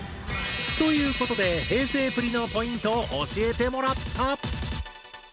ということで平成プリのポイントを教えてもらった。